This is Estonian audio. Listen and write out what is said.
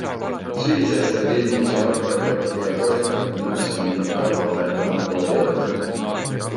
Sügiseks teeb linn uusi rattahoiukohti ka Poska gümnaasiumi ning Karlova ja Tamme kooli juurde.